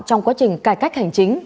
trong quá trình cải cách hành chính